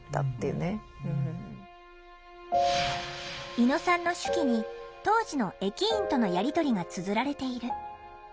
猪野さんの手記に当時の駅員とのやり取りがつづられている。